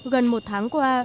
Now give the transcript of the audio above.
gần một tháng qua